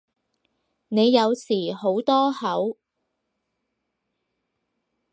你有時好多口